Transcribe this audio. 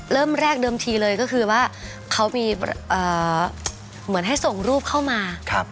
เริ่มแรกเดิมทีเลยก็คือว่าเขามีเหมือนให้ส่งรูปเข้ามา